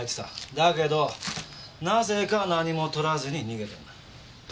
だけどなぜか何も取らずに逃げてんだ。